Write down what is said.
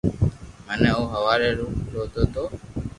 مي او ھوري رو لودو تو